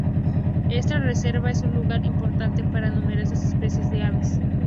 Esta reserva es un lugar importante para numerosas especies de aves.